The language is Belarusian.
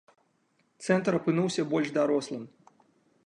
Цэнтр апынуўся больш дарослым.